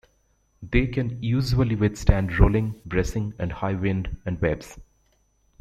They can usually withstand rolling, bracing and high wind and waves.